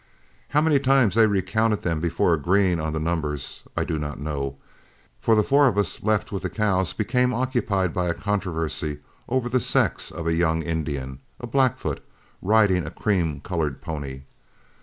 How many times they recounted them before agreeing on the numbers I do not know, for the four of us left with the cows became occupied by a controversy over the sex of a young Indian a Blackfoot riding a cream colored pony.